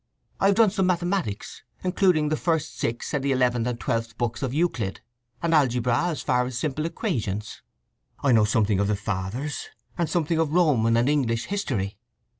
"I have done some mathematics, including the first six and the eleventh and twelfth books of Euclid; and algebra as far as simple equations. "I know something of the Fathers, and something of Roman and English history.